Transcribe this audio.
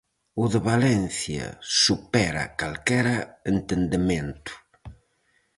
O de Valencia supera calquera entendemento.